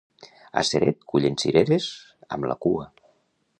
A Ceret, cullen cireres... amb la cua.